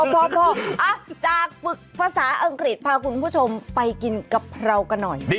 พอจากฝึกภาษาอังกฤษพาคุณผู้ชมไปกินกะเพรากันหน่อย